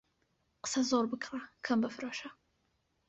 قسە زۆر بکڕە، کەم بفرۆشە.